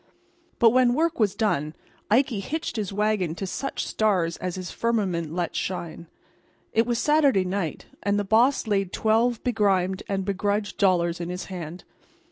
But when work was done Ikey hitched his wagon to such stars as his firmament let shine. It was Saturday night, and the boss laid twelve begrimed and begrudged dollars in his hand.